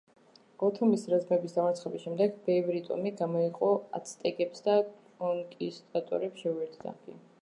ოთომის რაზმების დამარცხების შემდეგ, ბევრი ტომი გამოეყო აცტეკებს და კონკისტადორებს შეუერთდა.